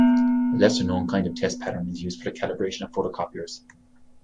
A lesser-known kind of test pattern is used for the calibration of photocopiers.